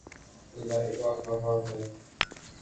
لائبہ کہاں ہے؟